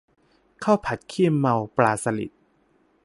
ข้าวผัดขี้เมาปลาสลิด